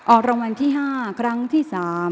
ออกรางวัลที่๕ครั้งที่๓